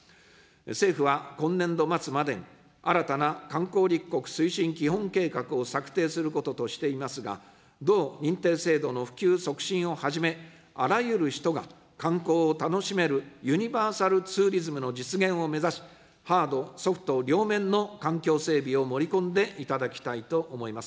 政府は今年度末までに、新たな観光立国推進基本計画を策定することとしていますが、同認定制度の普及促進をはじめ、あらゆる人が観光を楽しめるユニバーサルツーリズムの実現を目指し、ハード・ソフト両面の環境整備を盛り込んでいただきたいと思います。